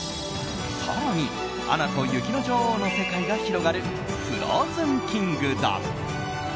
更に、「アナと雪の女王」の世界が広がる「フローズンキングダム」。